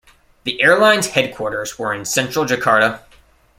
The airline's headquarters were in Central Jakarta.